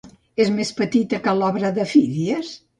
És més petita que l'obra de Fídies?